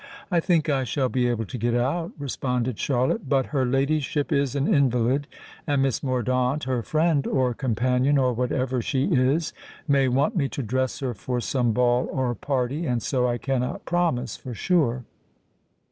"I think I shall be able to get out," responded Charlotte. "But her ladyship is an invalid; and Miss Mordaunt—her friend, or companion, or whatever she is—may want me to dress her for some ball or party; and so I cannot promise for sure."